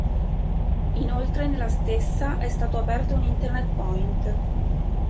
Inoltre nella stessa è stato aperto un "internet point.